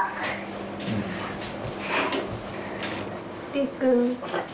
りっくん。